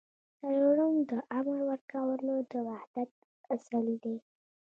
څلورم د امر ورکولو د وحدت اصل دی.